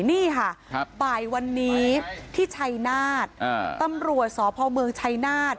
นี่ค่ะบ่ายวันนี้ที่ชัยนาฏตำรวจสพเมืองชัยนาฏ